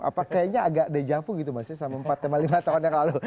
apa kayaknya agak dejavu gitu maksudnya sama empat lima tahun yang lalu